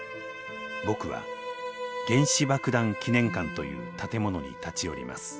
僕は「原子爆弾記念館」という建物に立ち寄ります。